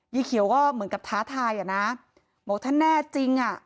เขียวก็เหมือนกับท้าทายอ่ะนะบอกถ้าแน่จริงอ่ะ